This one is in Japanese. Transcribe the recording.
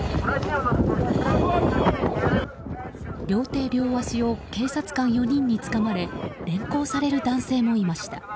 両手両足を警察官４人につかまれ連行される男性もいました。